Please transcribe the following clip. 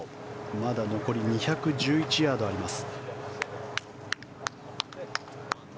まだ残り２１１ヤードあります。